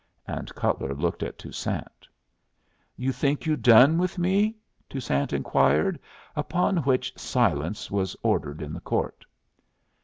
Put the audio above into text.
And Cutler looked at Toussaint. "You think you done with me?" Toussaint inquired, upon which silence was ordered in the court.